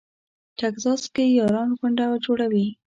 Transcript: ټکزاس کې یاران غونډه جوړوي.